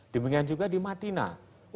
demikian juga di madinah